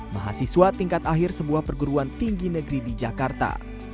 mahasiswa tingkat akhir sebuah perguruan tinggi negeri di jakarta